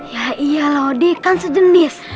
ya iya laudi kan sejenis